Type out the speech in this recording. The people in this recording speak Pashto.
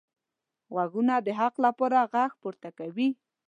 غوږونه د حق لپاره غږ پورته کوي